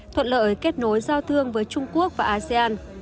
thuận lợi kết nối giao thương với trung quốc và asean